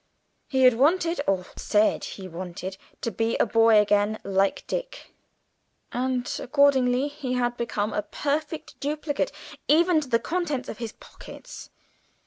He had wanted, or said he wanted, to be a boy again like Dick, and accordingly he had become a perfect duplicate, even to the contents of the pockets.